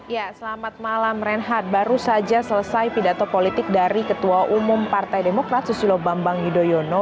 ya selamat malam reinhard baru saja selesai pidato politik dari ketua umum partai demokrat susilo bambang yudhoyono